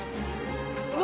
何？